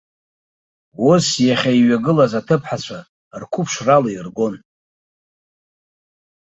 Ус, иахьа иҩагылаз аҭыԥҳацәа рқәыԥшрала иргон.